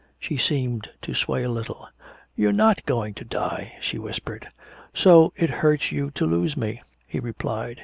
She seemed to sway a little. "You're not going to die!" she whispered. "So it hurts you to lose me," he replied.